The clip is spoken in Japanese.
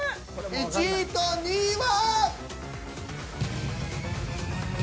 １位と２位は！？